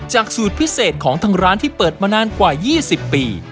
สูตรพิเศษของทางร้านที่เปิดมานานกว่า๒๐ปี